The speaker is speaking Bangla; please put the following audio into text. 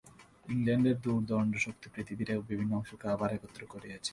ইংলণ্ডের দোর্দণ্ড শক্তি পৃথিবীর বিভিন্ন অংশকে আবার একত্র করিয়াছে।